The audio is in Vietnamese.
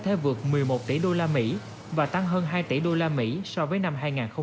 thể vượt một mươi một tỷ usd và tăng hơn hai tỷ usd so với năm hai nghìn một mươi tám